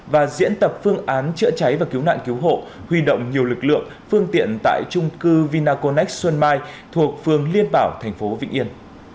và diễn tập phương án chữa cháy và cứu nạn cứu hộ huy động nhiều lực lượng phương tiện tại trung cư vinaconex xuân mai thuộc phường liên bảo thành phố vĩnh yên